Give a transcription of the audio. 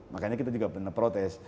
makanya kita juga pernah protes